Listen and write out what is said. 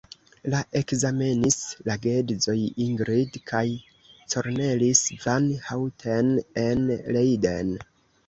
La ekzamenis la geedzoj Ingrid kaj Cornelis van Houten en Leiden.